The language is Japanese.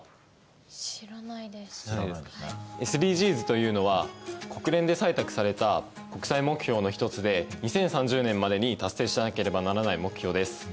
ＳＤＧｓというのは国連で採択された国際目標の一つで２０３０年までに達成しなければならない目標です。